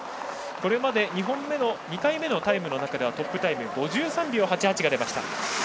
これまで２回目のタイムの中ではトップタイムの５３秒８８が出ました。